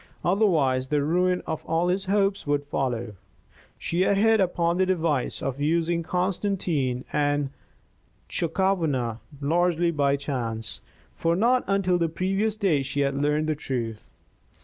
Otherwise the ruin of all his hopes would follow. She had hit upon the device of using Constantine and Chakawana largely by chance, for not until the previous day had she learned the truth.